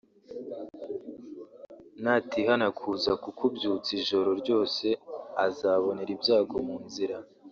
Natihana kuza kukubyutsa ijoro ryose azabonera ibyago mu nzira